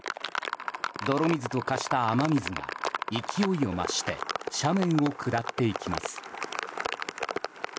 泥水と化した雨水も勢いを増して斜面を下っていきます。